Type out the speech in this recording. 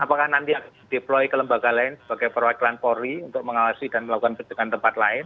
apakah nanti deploy ke lembaga lain sebagai perwakilan polri untuk mengalasi dan melakukan perjalanan tersebut